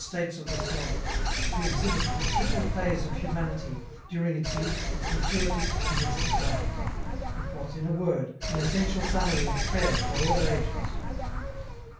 states of the soul, to exhibit the triple phase of humanity, during its youth, its maturity, and its decline ; it was, in a word, an essential summary of prayer for all ages.